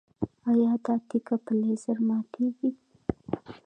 ایا دا تیږه په لیزر ماتیږي؟